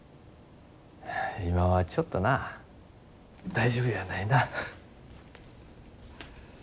今はちょっとな大丈夫やないな。